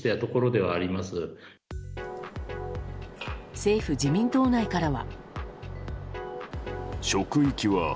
政府自民党内からは。